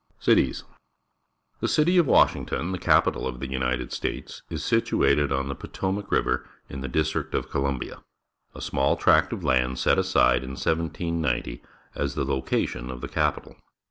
,,' Cities. — The city of Washington, the capi tal of the United States, is situated on the Potomac River in the District of Columbia, a small tract of land set aside in 1790 as the location of the capital.